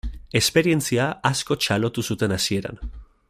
Esperientzia asko txalotu zuten hasieran.